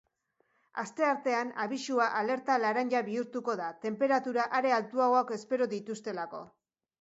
Asteartean, abisua alerta laranja bihurtuko da tenperatura are altuagoak espero dituztelako.